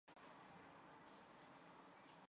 东汉云台二十八将之一。